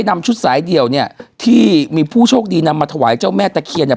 นำชุดสายเดี่ยวเนี่ยที่มีผู้โชคดีนำมาถวายเจ้าแม่ตะเคียนเนี่ย